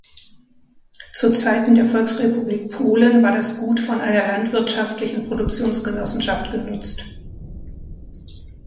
Zu Zeiten der Volksrepublik Polen war das Gut von einer Landwirtschaftlichen Produktionsgenossenschaft genutzt.